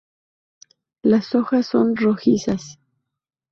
Las hojas son rojizas.